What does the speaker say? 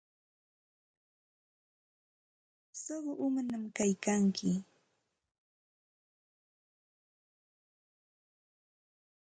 Suqu umañaq kaykanki.